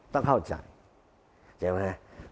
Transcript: ต้องเข้าใจเห็นไหมครับ